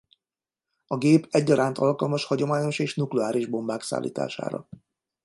A gép egyaránt alkalmas hagyományos és nukleáris bombák szállítására.